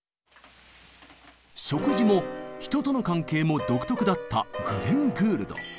食事も人との関係も独特だったグレン・グールド。